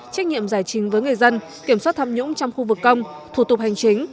trách nhiệm giải trình với người dân kiểm soát tham nhũng trong khu vực công thủ tục hành chính